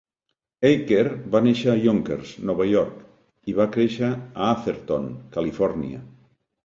Aker va néixer a Yonkers, Nova York, i va créixer a Atherton, Califòrnia.